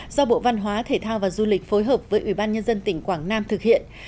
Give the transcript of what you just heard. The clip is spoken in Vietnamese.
do bộ văn hóa thể thao và du lịch phối hợp với ủy ban nhân dân tỉnh quảng nam thực hiện